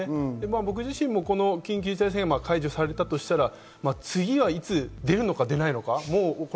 僕自身も緊急事態宣言が解除されたとしたら、次はいつ出るのか出ないのか。